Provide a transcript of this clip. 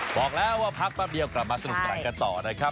บอกแล้วว่าพักแป๊บเดียวกลับมาสนุกสนานกันต่อนะครับ